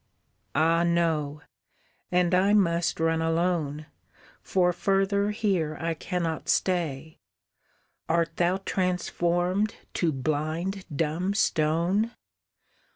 "Ah no, and I must run alone, For further here I cannot stay; Art thou transformed to blind dumb stone!